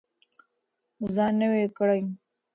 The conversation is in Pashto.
ځان نوی کړئ.